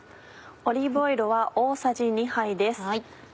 オリーブオイルは大さじ２杯です。